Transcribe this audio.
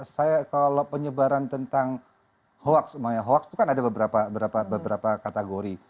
saya kalau penyebaran tentang hoax hoax itu kan ada beberapa kategori